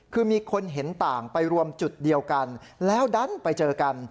คือมีคนเห็นต่างไปรวมจุดเดียวกันแล้วดันไปเจอกัน